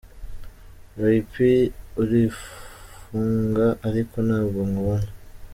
Ray P urifunga ariko ntabwo nkubona ,.